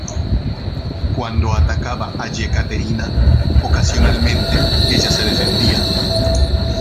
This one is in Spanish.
Cuando atacaba a Yekaterina, ocasionalmente ella se defendía.